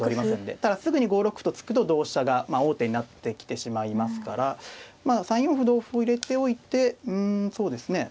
ただすぐに５六歩と突くと同飛車が王手になってきてしまいますからまあ３四歩同歩を入れておいてうんそうですね